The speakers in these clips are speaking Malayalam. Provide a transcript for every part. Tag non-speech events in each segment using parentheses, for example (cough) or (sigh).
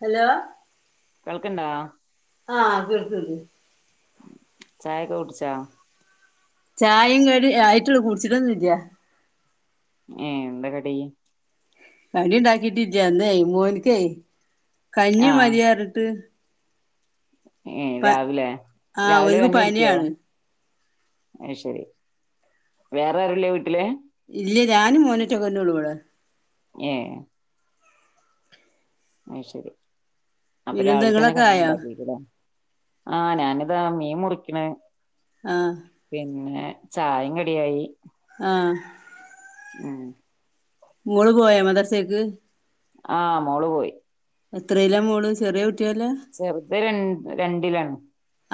ഹലോ കേൾക്കിണ്ടോ ആഹ കേൾക്കണ്ട്‌ ചായക്കെ കുടിച്ചാ ചായയും കടി ആയിട്ടുള്ള കുടിച്ചിട്ടൊന്നും ഇല്ല ഏ എന്താ കടി കടി ണ്ടാക്കിട്ടില്ല ന്നേയ് മോനിക്കേ കഞ്ഞി ആഹ് മതിയാറിട്ട് ഏ രാവിലെ ആഹ് രാവിലെ ഓര്ക്ക് കഞ്ഞി കുടിക്കോ പനിയാണ് അ ശരി വേറെരുല്ലേ വീട്ടില് ഇല്ല ഞാനും മോന്നറ്റങ്ങന ഉള്ളൂള് ഏ അ ശരി അപ്പൊ പിന്നെന്താ രാവില തന്നെ ഇങ്ങളൊക്കെ കഞ്ഞി ആയോ ഉണ്ടാക്കിക്ക് ല്ലേ ആഹ ഞാനിതാ മീ മുറിക്കണ് ആഹ് പിന്നെ ചായിം കടിയായി ആഹ ഉ മോൾ പോയ മദ്രസ്സേക്ക്? ആ മോള് പോയി. എത്രയിലാ മോള് ചെറിയ കുട്ടിയല്ല ചെറുത് രണ്ട് രണ്ടിലാണ്.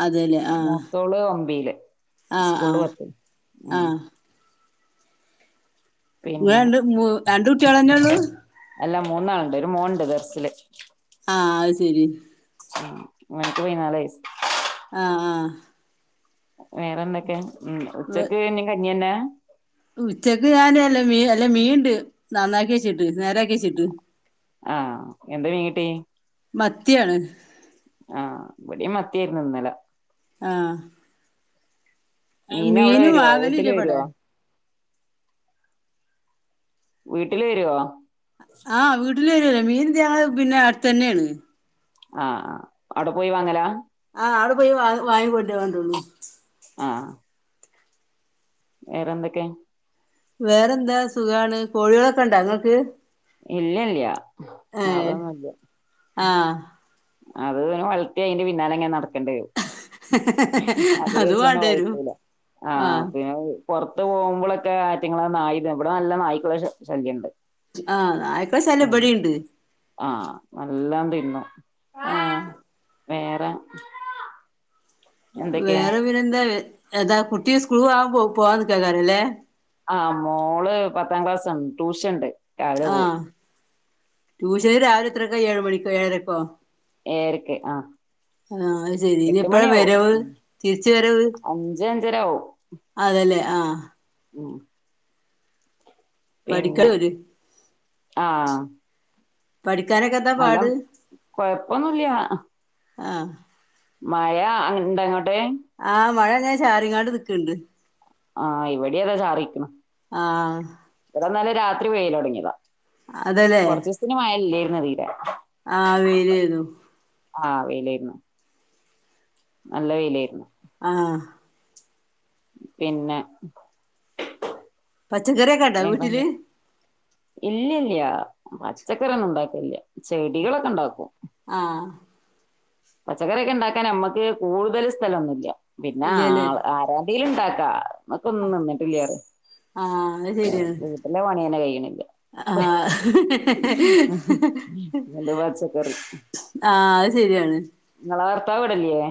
അതെല്ലേ ആഹ് മൂത്തോള് ഒമ്പയില് ആഹ് സ്കൂള് ആഹ് പത്ത് ഉം. ആഹ് ഇങ്ങ പിന്നെ രണ്ട് രണ്ട് കുട്ടികളന്നെയള്ളു. അല്ല മൂന്നാളുണ്ട് ഒരു മോൻണ്ട് ദർസില്. ആ അത് ശരി. മോൻക്ക് പതിനാലു വയസ്സ്. ആ ആ. വേറെന്തൊക്കെ ഉ ഉച്ചക്ക് ഇന്നും കഞ്ഞി തന്നെയാ? ഉച്ചക്ക് ഞാനല്ല മീ അല്ല മീണ്ട് നന്നാക്കി വെച്ചിട്ട് നേരാക്കി വെച്ചിട്ട് ആ എന്താ മീൻ കിട്ടി? മത്തിയാണ്. ആ ഇവിടെ മത്തിയായിരുന്നു ഇന്നലെ. ആ. മീൻ അവിടെ മീന വരുവോ വാങ്ങല വീട്ടില് ഇല്ല ഇവിടെ? വരുവോ വീട്ടില് വരുവോ? ആ വീട്ടിൽ വരുല്ല മീൻ തങ്ങ പിന്നെ അടുത്ത തന്നെയാണ്. ആ അവിടെ പോയി വാങ്ങല? വേണ്ടുള്ളൂ. ആ. വേറെന്തൊക്കെ? വേറെന്താ സുഖാണ് കോഴികളൊക്കെ ഇണ്ടാ നിങ്ങൾക്ക്? ഇല്ലല്ല അതോന്നുല്ല. ആഹ് അത് വളത്തി അതിന്റെ പിന്നാലെ എങ്ങനെ നടക്കണ്ടി വരും. അതിര് അത് വെച്ചതന്നെ വാണ്ടിവരും വഴക്കില. ആ ആഹ് പിന്നെ പുറത്ത് പോകുമ്പോഴൊക്കെ ആറ്റങ്ങ നായ ഇവിടെ നല്ല നായ്ക്കള ശല്യംണ്ട്. ആഹ് നായ്ക്കളെ ആ ശല്യം ഇബടിണ്ട് ആ നല്ലാം തിന്നു. ആ. വേറെ? എന്തൊക്കെയാ വേറെ പിന്നെന്താ ഏതാ കുട്ടി സ്കൂൾ ആൻ പോവാ നിക്കാ ക്കാരുല്ലേ? ആ മോള് പത്താം ക്ലാസ് ആണ് ട്യൂഷൻ ഉണ്ട്. രാവിലെ ആ പോവും ട്യൂഷൻ രാവിലെ എത്രക്കോ ഏഴ് മണിക്കോ ഏഴരക്കോ? ഏഴരയ്ക്ക് ആ. ആ അത് ശെരി ഇനി എട്ട് എപ്പഴ മണിയാവും വരവ് തിരിച്ച വരവ്? താരാവോ അതെല്ലേ ആ. പഠിക്കോ പിന്നെ അവര്? ആ. പഠിക്കാനൊക്കെ എന്താ നല്ല പാട് കൊഴപ്പൊന്നുമില്ല ആ. മഴ ഇണ്ടാ അങ്ങോട്ടെ? ആ മഴ ഞാൻ ചാറിങ്ങാട് നിക്കണ്ട്. ആ ഇവിടെ അതേ ചാറിക്കണ. ആ. രാത്രി പെയ്ത് തുടങ്ങിയതാ കുറച്ച് ദിവസത്തിന് മഴ ഇല്ലായിരുന്നു തീരെ. ആ വെയിൽ ആരുന്നു ആ വെയിലായിരുന്നു. നല്ല വെയിലായിരുന്നു. ആ. പിന്നെ പച്ചക്കറിയൊക്കാണ്ടാ വീട്ടില്? ഇല്ല്യ ഇല്ല്യാ പച്ചകറിന്നും ഉണ്ടാകെ ല്ല്യ ചെടികളൊക്കെണ്ടാക്കും. ആ പച്ചക്കറിക്കെണ്ടാക്കാൻ അമ്മക്ക് കൂടുതൽ സ്ഥലൊന്നുല്യാ പിന്നെ ഇല്ല്യല്ലേ ആൾ ആര ഇൽണ്ടാക്കാ മ്മക്കൊന്നും നിന്നിട്ടില്ലറിയ ആ അത് ശരിയാ കഴിയണില്ല. ആ അത് പച്ചക്കറി ആ ശരിയാണ് ങ്ങള വർത്താവ്വിടല്ലേ?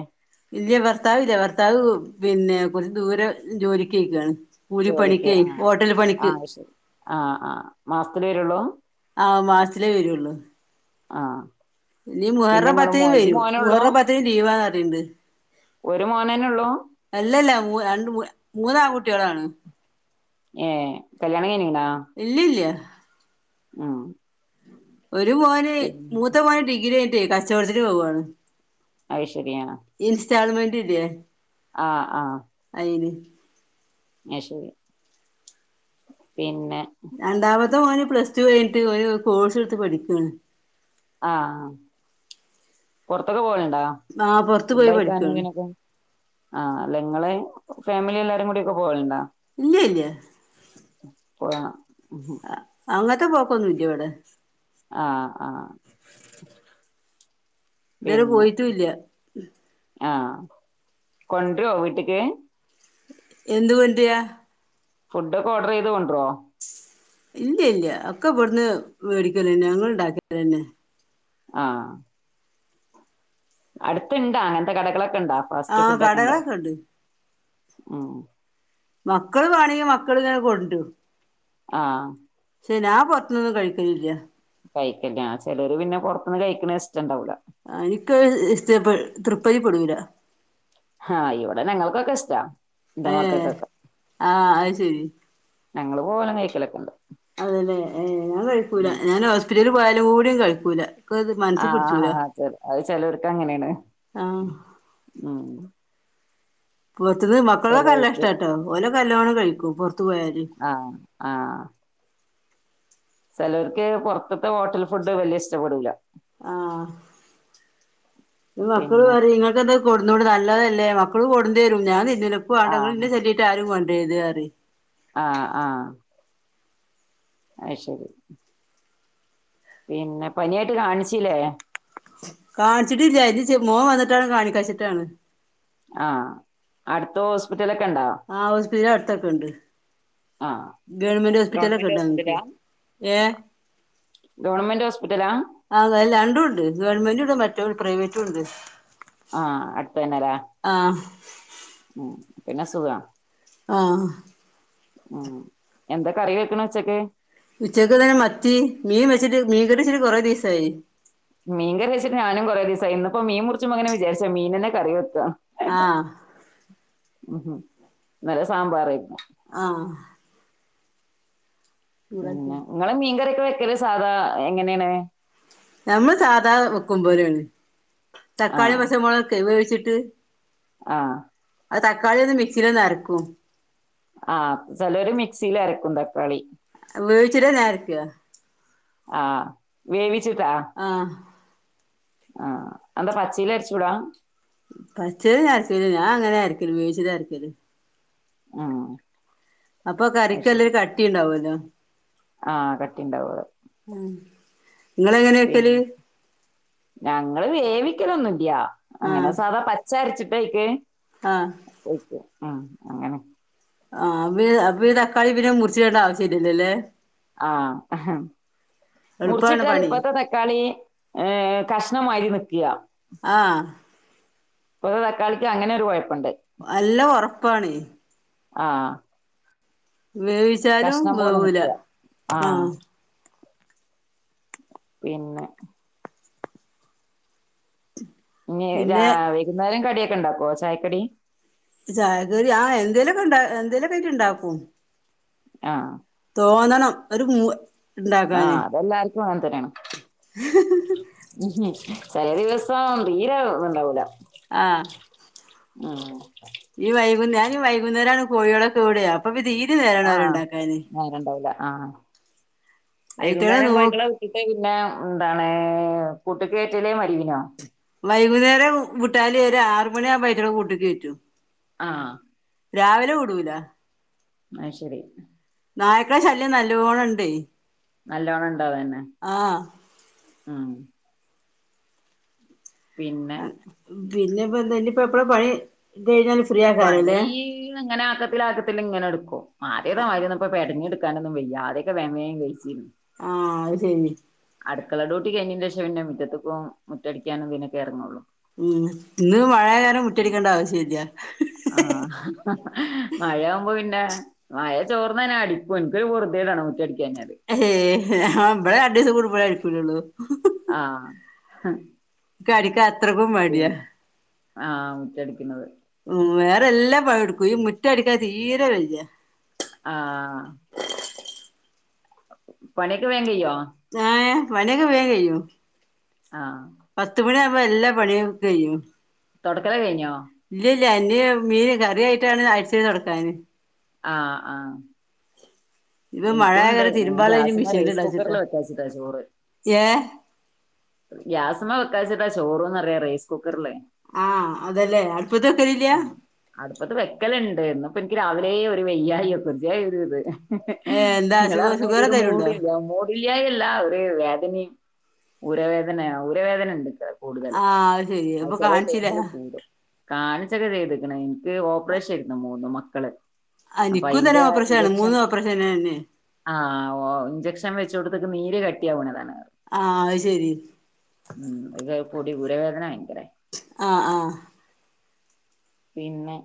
ഇല്ല ഭർത്താവ് ല്ല ഭർത്താവ് പിന്നെ കൊറച്ച് ദൂരം ജോലിക്യോയ്ക്കാണ് ജോലിക്ക് ആ ആ ശരി അ ആ മാസത്തില് വരോള്ളൂ? ആ മാസ്ത്തിലേ വെരുള്ളു ആ ഇനി മുഹറം പത്തിന് വെരും മുഹറം പത്തിന് ലീവാറിണ്ട്. ഒരു മോനന്നെ ഉള്ളൂ അല്ലല്ല മൂ രണ്ട് മൂവ് മൂന്നാകുട്ട്യേളാണ്. ഏ കല്യാണയ്ഞ് ഇല്ല്യാ ഇല്ല്യാ ആ ഒരു മോന് മൂത്ത മോന് ഡിഗ്രിനിട്ട് കച്ചോട്തിന് പോവ്വാണ് അത് ശരിയാ ചാൾ മെന്റ് ല്ല്യെ ആ ആ ഇത് ഞശരി പിന്നെ രണ്ടാമത്തെ മോന് പ്ലസ് ടു കഴിഞ്ഞിട്ട് ഒരു കോഴ്സ് ഇട്ത്ത് പഠിക്കാണ് ആ പൊർത്തൊക്കെ പോയ ണ്ടോ ആ പൊറത്ത് പോയി ഫുണ്ടയ്ക്കാനും പഠിക്കാണ് ഇതിനൊക്കെ ആ ഇല്ല ഇങ്ങളെ ഫാമിലി എല്ലാരും കൂടി ഒക്കേ പോവൽണ്ടോ? ഇല്ല്യ ഇല്ല്യാ പോയാ അങ്ങത്ത പോക്കൊന്നുല്ല്യാ ഇവടെ ആ ആ ഇതരെ പോയിട്ടുല്ല്യാ ആ കൊണ്ട്രോ വീട്ട്ക്ക്? എന്ത് കൊണ്ട്ര? ഫുഡൊക്കേ ഓഡ്രൈത് കൊഡ്രോ? ഇല്ല്യ ല്യാ ഒക്കെ ഇവിടുന്ന് മേടിക്കലന്നെ ഞങ്ങണ്ടാക്കലന്നെ. ആ അടുത് ണ്ടാ അങ്ങനത്തെ കടകളൊക്കെ ണ്ടാ ഫാസ്റ്റ് ആഹ് ഫുഡൊക്കെ ണ്ടോ? കടകളൊക്കെ ഉണ്ട് ആ മക്കള് വേണേൽ മക്കളേ കൊൻട്രും ആ ചനാ പൊർത്‌ന് ഒന്നും കഴിക്കൽല്യാ കഴിക്കല ചേലോര് പിന്നെ പുറത്തുനിന്ന് കഴിക്ക്ണെ ഇസ് അഹ് എനിക്കഹ് ഇഷ്ടപ്പെട് തൃപ്പതി പെടൂല ഹാ ഇവിടെ ഞങ്ങൾക്കൊക്കെ ഇഷ്ട ഏഹ് ആ അഹ്ശരി ഞങ്ങള് പോവലും കഴ്‌ക്കലൊക്കെണ്ട് അതെല്ലേ ഏ ഞാൻ കഴിക്കൂല. ഞാൻ ഹോസ്പിറ്റൽ പോയാലും കൂടികഴിക്കൂല ആഹാ ആ അത് ചെലോർക്ക് അങ്ങനെണ് ആഹ് ഉം പുറത്തുനിന്ന് മക്കൾക്ക് നല്ല ചെലോർക്ക് ഇഷ്ടട്ടോ ഓലക്കെ നല്ലോണം കഴിക്കും പൊ ആ ആ ചിലവർക്ക് പുറത്തത്തെ ഹോട്ടൽ ഫുഡ് വലിയ ഇഷ്ടപ്പെടൂല ആ മക്കള് പിന്നെ പറിം ഇങ്ങക്കെന്താ കൊട്ന്നോണ്ടു, നല്ലതല്ലേ മക്കൾ കൊടുന്നെരും ഞാൻ തിന്നൂല്ല. ഇക്ക് വാൺട. ഇങ്ങള് ആഹ് ഇന്നെ ചൊല്ലിട്ട് ആരും കൊ (unintelligible) ആഹ് ആഹ് അത് ശരി. പിന്നെ പനിയായിട്ട് കാണിച്ചീലേ? കാണിച്ചിട്ടില്ലാ മോൻ വന്നിട്ടാണം കാണിക്കച്ചിട്ടാണ്. ആഹ് അടുത്ത് ഹോസ്പി ആ ഹോസ്പിറ്റല് അടുത്തൊക്കെണ്ട്. ആഹ് ഗവൺമെന്റ് ഹോസ്പിറ്റലൊക്കെ ഗവൺമെന്റ് ഇണ്ട് ഞങക്ക് ഹോസ്പിറ്റലാ ഏ ഗവൺമെന്റ് ഹോസ്പിറ്റലാ ആതല്ലാരണ്ടും ണ്ട് ഗവൺമെന്റ് ഇണ്ട് മറ്റേ റ്റേ പ്രൈവറ്റുണ്ട് ആ അട്ത്തെന്നലേ ഉം പിന്നെ സുഖാണ്. ആഹ് ഉം എന്താ കറി വെക്ക്ണ ഉച്ചക്ക്? ഉച്ചക്ക് ഇതന്നെ, മത്തി മീൻ വെച്ചിട്ട് മീൻ കറിച്ചിട്ട് കൊറെ ദിവസായി മീൻ കറി വെച്ചിട്ട് ഞാനും കുറെ ദിവസായി, ഇന്നിപ്പോ മീൻ മുറിച്ചുംബൊ അങ്ങനെ വിചാരിച്ച മീനന്നെ കറി വെക്ക. ആ ഉം ഇന്നലെ സാമ്പാറായിരുന്നു. ആഹ് പിന്നെ നിങ്ങള് മീൻകറിയൊക്കെ വെക്കല് സാധാ എങ്ങനെണ്? നമ്മള് സാധാ വെക്കും പോലേണ്. തക്കാളിം, ആഹ് പച്ചമൊളൊകൊക്കെ വേവിച്ചിട്ട് ആഹ് അത് തക്കാളി ഒന്ന് മിക്സീല് ഒന്ന് അരക്കും. ആ ചെലോര് മിക്സീല് അരക്കും തക്കാളി വേവിച്ച്ട്ടാ ഞാനരക്ക ആ വേവിച്ചിട്ടാ? ആഹ് ആ എന്താ പച്ചീലരച്ചൂടാ? പച്ചേല് ഞാൻ അരയ്ക്കലില്ല, ഞാ അങ്ങനെ അരക്കല് വേവിച്ചിട്ടാ അരക്കല് ആഹ് അപ്പൊ കറിക്കെല്ലൊ ഒരു കട്ടി ഉണ്ടാവല്ലോ ആ കട്ടിണ്ടാവൂം. നിങ്ങളെങ്ങനെ വെക്കല് പിന്നെ ഞങ്ങള് വേവി ക്കലൊന്നുംല്ല. അങ്ങനെ ആഹ് സാധാ പച്ചരച്ചിട്ട് അയ്ക്ക് ആഹ് ഒഴിക്കും. ആ അങ്ങനെ ആ അപ്പ അപ്പ ഈ തക്കാളി പിന്നെ മുറിച്ച് ഇടണ്ട ആവശ്യ- ല്ലല്ലോ ലേ ആഹ് ഹ ഹ എളുപ്പമാണ് മുറിച്ചിട്ടാൽ പണി ഇപ്പത്തെ തക്കാളി ഏ കഷ്ണം മാരി നിക്ക ആഹ് ഇപ്പത്തെ തക്കാളിക്ക് അങ്ങനെ ഒരു കൊഴപ്പണ്ട്. നല്ല ഉറപ്പാണ്. ആഹ് വേവിച്ചാലും വേവൂല്ല നിക്കുക ആ ആഹ്. പിന്നെ പിന്നെ രാ വൈകുന്നേരം കടിയൊക്കെ ഇണ്ടാക്കോ ചായക്കടി? ചായകടി ആ എന്തേലൊക്കെ ഇണ്ട എന്തേലൊക്കെ ആയിട്ട് ഇണ്ടാക്കും. ആ തോന്നണം, ഒരു മൂ ആ ഉണ്ടാക്കാന് അതെല്ലാർക്കും അങ്ങനെ തന്നേണ്. ഹ് ഹും. ചെല ദിവസം തീരെത്ണ്ടാവൂല. ആ ഈ വൈകുന്നെ വൈകുന്നേരാണ് കോഴികളൊക്കെ വിടാ അപ്പൊ നേരാണ് ആ അവരെ ഉണ്ടാക്കാന് നേരണ്ടാവൂല ആ അയിറ്റങ്ങളെ വൈകുന്നേരം നോ കോഴികളെ വിട്ടിട്ട് പിന്നെ എന്താണ് കൂട്ടുകയറ്റല് (unintelligible) വൈകുന്നേരം വിട്ടാല് ഒര് ആറ് മണി ആവുമ്പോ ആയ്റ്റ്ങ്ങളെ കൂട്ടിക്ക് കയറ്റും ആ രാവിലെ വിടൂല അയ്ശെരി നായ്ക്കള ശല്യം നല്ലോണണ്ടേ നല്ലോണം ഇണ്ടാവന്നെ ഉം പിന്നെ പിന്നെപ്പൊ എന്ത എപ്പഴാ പണി ഇത് കഴിഞ്ഞാല് ഫ്രീ പണി ആക്കാരല്ലേ അങ്ങനെ ആക്കത്തില് ആക്കത്തില് ഇങ്ങനെ എടുക്കും ആദ്യത മാരിപ്പോ പെടഞ്ഞ് എടുക്കാൻ നൊന്നും വ്യയ്യ ആദ്യൊക്കെ വേം വേം കയിച്ചിരുന്നു ആ അത് ശരി അടുക്കള ഡ്യൂട്ടി കയിഞ്ഞിന്റെ ശേഷം പിന്നെ മുറ്റത്ത്ക്കും മുറ്റടിക്കാനും ഇതിനൊക്കെ ഏറങ്ങൊള്ളോ ഉം ഇന്ന് മഴായ കാരണം മുറ്റടിക്കേണ്ട ആവശ്യല്ല ആ മഴയാവുമ്പോ പിന്ന മഴ ചോർന്നന്നെ അടിക്കും എനിക്കൊരു പൊറുതി തേടാണ് മുറ്റടിക്കാഞ്ഞ ഇവിടെ രണ്ടീസം കൂടുമ്പോൾ അടിക്കല്ലുള്ളൂ ആ അടിക്കാൻ അത്രക്കും മടിയാ ആഹ് മുറ്റടിക്കുന്നത് വേറെ എല്ലാ പണീടുക്കും ഈ മുറ്റടിക്കാൻ തീരെ വയ്യ ആ പണി ഒക്കെ വേം കയ്യോ ആ പണിയൊക്കെ വേം കയ്യും ആ പത്ത് മണിയാവുമ്പോ എല്ലാ പണിയും കയ്യും തൊടക്കല് കയിഞ്ഞോ ഇല്ല ഇല്ല ഇന് മീന് കറിയായിട്ടാണ് അടിചിട്ട് തൊടക്കാാന് ആ ആ ഇപ്പൊ മഴയായ എനിക്കൂണ്ട് കാരണം തിരുമ്പാള്ളത് ഇനി ഗ്യാസുമ്മേ റൈസ് മിഷീനിലിടാച്ചിട്ടാ കുക്കറില് വെക്കാച്ചിട്ടാ ചോറ് ഏഹ് ഗ്യാസ്മ്മ വെക്കാച്ചിട്ടാ ചോറുന്ന് പറയാ റൈസ് കുക്കറിലേ ആ അതലേ അടുപ്പത്ത് വെക്കല്ണ്ട് ഇന്ന് ഇപ്പോ എനിക്ക് രാവിലെ ഒരു വയ്യായൊക്കെ ഒരു ഇത് ഏഹ് എന്താ നിങ്ങൾ ഷുഗ പറഞ്ഞാ ഷുഗർ ഇതൊരു എന്തേലും ഉണ്ടോ മൂടില്ല മൂടില്ലായല്ല ഒരു വേദനയും ഊരവേദനയാ ഉരവേദന ഉണ്ട് കൂടുതൽ ആഹ് ശെരി അത് അപ്പൊ ചെല കാണിച്ചില്ല ടൈമിൽ കൂടും കാണിച്ച് ചെയ്ത്ക്കണ് എനിക്ക് ഓപ്പറേഷനേര്ന്ന് മൂന്ന് മക്കള് ആഹ് അപ്പൊ നിക്കും തന്നെ അയിന്റെ ഓപ്പറേഷനാണ് ഇഞ്ചക്ഷൻ മൂന്നും ഓപ്പറേഷനെന്നെ ആ ഓ ഇഞ്ചക്ഷൻ വെച്ചോട്ത്ത് നീര് കട്ടിയാവുന്നതാണ് ആ അത്ശരി ഊരവേദന ഭയങ്കരെ ആ ആ പിന്നെ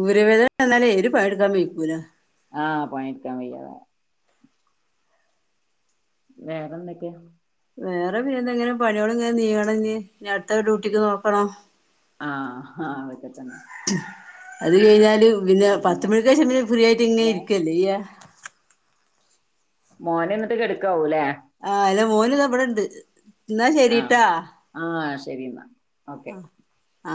ഊരവേദന വന്നാലേ ഒര് പണി എടുക്കാൻ വെയിക്കൂല ആ പണിയെടുക്കാൻ വയ്യ അതാ വേറെന്തൊക്കെ? വേറെ പിന്നെ എന്താ ഇങ്ങനെ പണി യോളിങ്ങനെ നീങ്ങണഞ്ഞ് ഇനി അടുത്ത ഡ്യൂട്ടിക്ക് നോക്കണോ ആ ആ അതൊക്കെ തന്നെ അത് കഴിഞ്ഞാല് പിന്നെ പത്ത് മണിക്ക് ശേഷം പിന്നെ ഫ്രീ ആയിട്ട് ഇങ്ങനെ ഏ ഇരിക്കല്ലേ ചെയ്യാ മോനെ എന്നിട്ട് കെടക്കാവൂല്ലേ ആഹ് അല്ലാ മോന് ദാവിടെ ഇണ്ട് എന്നാ ശെരിട്ടാ ശരിന്നാ ആ ആ